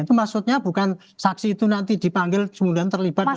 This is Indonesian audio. itu maksudnya bukan saksi itu nanti dipanggil kemudian terlibat